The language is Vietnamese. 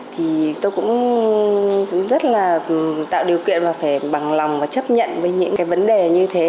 thì tôi cũng rất là tạo điều kiện mà phải bằng lòng và chấp nhận với những cái vấn đề như thế